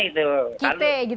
kt gitu ya